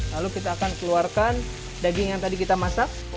lalu kita akan keluarkan daging yang tadi kita masak